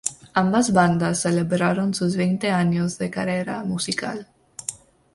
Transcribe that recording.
Ambas bandas celebraron sus veinte años de carrera musical.